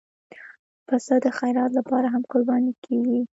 پسه د خیرات لپاره هم قرباني کېږي.